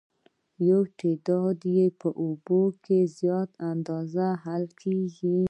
یو تعداد یې په اوبو کې په زیاته اندازه حل کیږي.